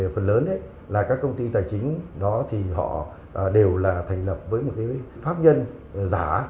phần lớn là các công ty tài chính đó thì họ đều là thành lập với một pháp nhân giả